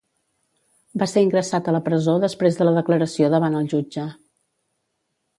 Va ser ingressat a la presó després de la declaració davant el jutge.